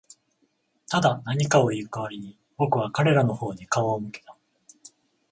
ただ、何かを言う代わりに、僕は彼らの方に顔を向けた。